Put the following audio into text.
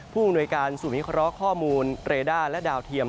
ผู้จำโดยการสูบมิกเราะข้อมูลเรดาร์และดาวเทียม